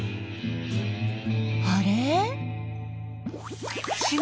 あれ？